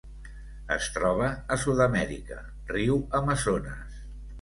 Es troba a Sud-amèrica: riu Amazones.